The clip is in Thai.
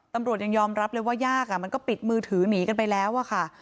ตำรวจยังยอมรับเลยว่ายากมันก็ปิดมือถือหนีกันไปแล้วอะค่ะ